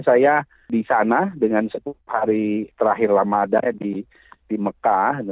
saya di sana dengan hari terakhir lamadai di mekah